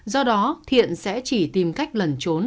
do đó thiện sẽ chỉ tìm cách lẩn trốn